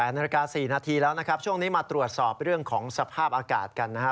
นาฬิกา๔นาทีแล้วนะครับช่วงนี้มาตรวจสอบเรื่องของสภาพอากาศกันนะครับ